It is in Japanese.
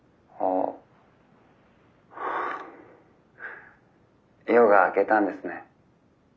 「ああ夜が明けたんですね。